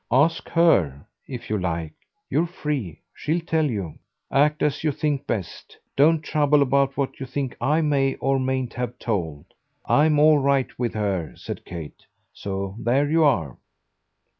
"Ask HER, if you like; you're free she'll tell you. Act as you think best; don't trouble about what you think I may or mayn't have told. I'm all right with her," said Kate. "So there you are."